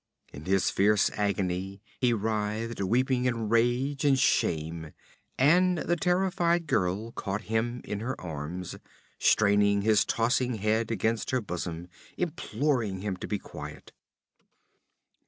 In his fierce agony he writhed, weeping in rage and shame, and the terrified girl caught him in her arms, straining his tossing head against her bosom, imploring him to be quiet.